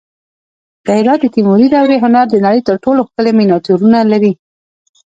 د هرات د تیموري دورې هنر د نړۍ تر ټولو ښکلي مینیاتورونه لري